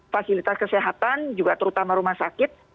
fasilitas kesehatan juga terutama rumah sakit